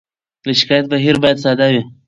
د شکایت بهیر باید ساده وي.